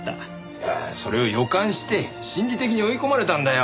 だからそれを予感して心理的に追い込まれたんだよ。